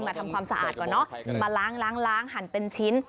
ทำความสะอาดก่อนเนอะมาล้างล้างหั่นเป็นชิ้น